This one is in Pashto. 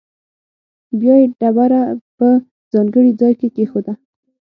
بیا یې ډبره په ځانګړي ځاې کې کېښوده.